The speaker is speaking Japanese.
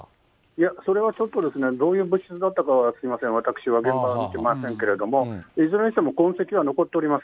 いや、それはちょっとどういう物質だったかは、すみません、私は現場見てませんけれども、いずれにしても痕跡は残っております。